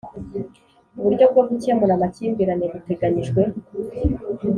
Uburyo bwo gukemura amakimbirane buteganyijwe